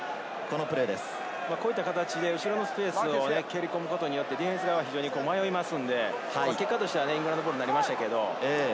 こういった形で後ろのスペースを蹴り込むことによってディフェンスが迷いますので、結果としてはイングランドボールになりましたけれど。